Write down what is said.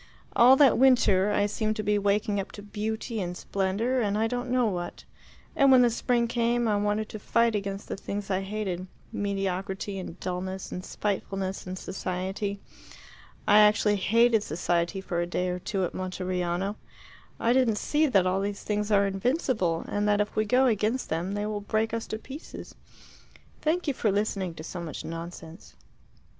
All that winter I seemed to be waking up to beauty and splendour and I don't know what; and when the spring came, I wanted to fight against the things I hated mediocrity and dulness and spitefulness and society. I actually hated society for a day or two at Monteriano. I didn't see that all these things are invincible, and that if we go against them they will break us to pieces. Thank you for listening to so much nonsense."